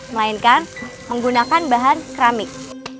melainkan menggunakan bahan keramik